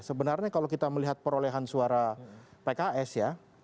sebenarnya kalau kita melihat perolehan suara pks ya